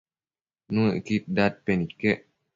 Nuëcquid dadpen iquec